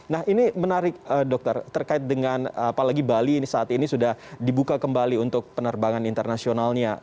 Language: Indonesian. nah ini menarik dokter terkait dengan apalagi bali ini saat ini sudah dibuka kembali untuk penerbangan internasionalnya